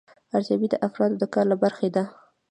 ارزیابي د افرادو د کار له برخې ده.